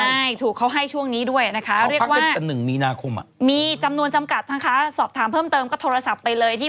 ใช่ถูกเขาให้ช่วงนี้ด้วยนะคะเรียกว่า๑มีนาคมมีจำนวนจำกัดนะคะสอบถามเพิ่มเติมก็โทรศัพท์ไปเลยที่